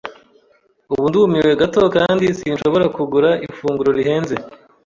Ubu ndumiwe gato kandi sinshobora kugura ifunguro rihenze.